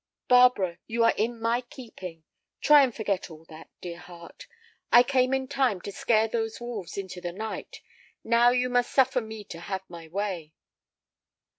"Barbara, you are in my keeping; try and forget all that, dear heart. I came in time to scare those wolves into the night. Now you must suffer me to have my way."